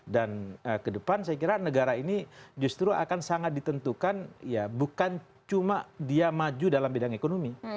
dan ke depan saya kira negara ini justru akan sangat ditentukan ya bukan cuma dia maju dalam bidang ekonomi